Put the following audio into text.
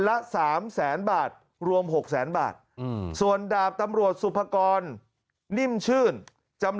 ละ๓แสนบาทรวม๖แสนบาทส่วนดาบตำรวจสุภกรนิ่มชื่นจำ